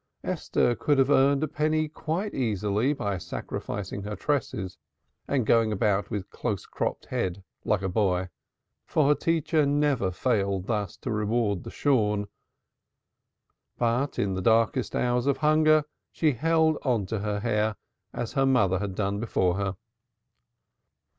Esther could have earned a penny quite easily by sacrificing her tresses and going about with close cropped head like a boy, for her teacher never failed thus to reward the shorn, but in the darkest hours of hunger she held on to her hair as her mother had done before her.